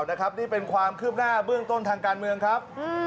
นี่เป็นความคืบหน้าเบื้องต้นทางการเมืองครับ